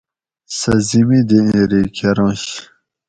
سہ زِمیندیری کۤرنش